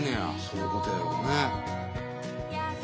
そういうことやろね。